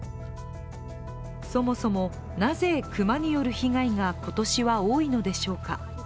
そもそも、なぜ熊による被害が今年は多いのでしょうか。